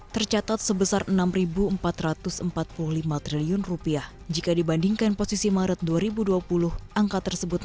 dua ribu dua puluh satu tercatat sebesar enam ribu empat ratus empat puluh lima triliun rupiah jika dibandingkan posisi maret dua ribu dua puluh angka tersebut